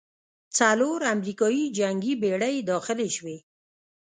څلور امریکايي جنګي بېړۍ داخلې شوې.